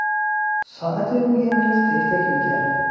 ساعت روی میز تک تک میکرد.